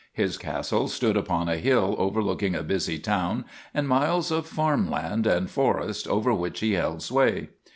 His castle stood upon a hill overlooking a busy town and miles of farm land and forest over which he held sway.